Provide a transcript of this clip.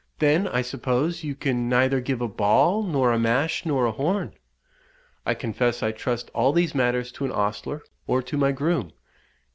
Then, I suppose, you can neither give a ball, nor a mash, nor a horn!" "I confess I trust all these matters to an ostler, or to my groom."